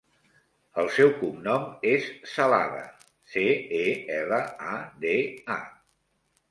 El seu cognom és Celada: ce, e, ela, a, de, a.